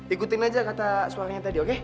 ikutin aja kata soalnya tadi oke